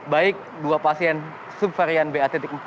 baik dua pasien subvarian ba empat